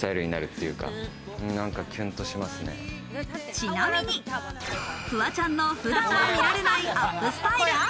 ちなみに、フワちゃんの普段は見られないアップスタイル。